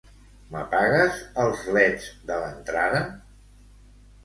M'apagues els leds de l'entrada?